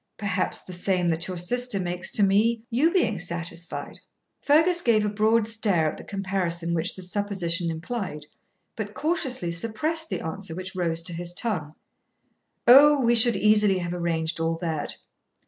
'Perhaps the same that your sister makes to me, you being satisfied.' Fergus gave a broad stare at the comparison which this supposition implied, but cautiously suppressed the answer which rose to his tongue. 'O, we should easily have arranged all that.